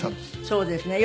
そうですね。